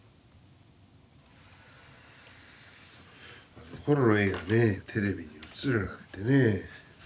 あのころの絵がねテレビに映るなんてねえ。